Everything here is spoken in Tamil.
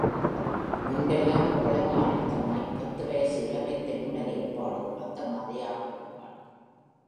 மூன்பெல்லாம் எவ்வளவு ஆனந்தமாய், பத்து வயசு இளமைத் தெம்புடன் இருப்பாளோ அந்த மாதிரி ஆகிவிடுவாள்.